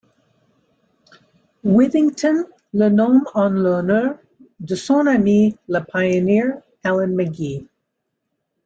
Withington le nomme en l'honneur de son ami le pionner Allen McGee.